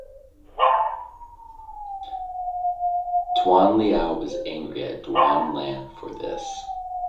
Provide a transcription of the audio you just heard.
Duan Liao was angry at Duan Lan for this.